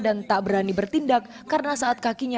dan tak berani bertindak karena saat kakinya